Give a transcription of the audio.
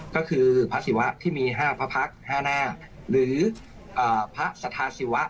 ก็คือพระศิวะที่มี๕พระพักษ์๕หน้าหรือพระสถาศิวะ